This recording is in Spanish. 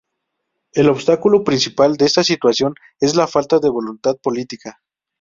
El obstáculo principal de esta situación es la falta de voluntad política.